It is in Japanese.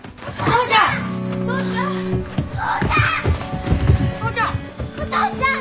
お父ちゃん！